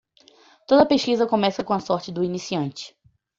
Toda pesquisa começa com a sorte do iniciante.